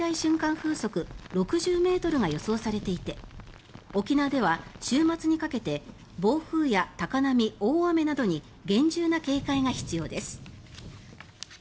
風速６０ｍが予想されていて沖縄では週末にかけて暴風や高波、大雨などに厳重な警戒が必要です。